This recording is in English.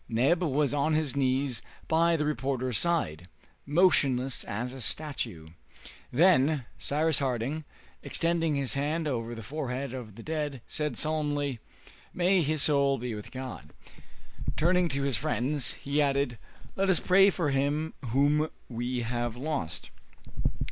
Neb was on his knees by the reporter's side, motionless as a statue. Then Cyrus Harding, extending his hand over the forehead of the dead, said solemnly, "May his soul be with God!" Turning to his friends, he added, "Let us pray for him whom we have lost!"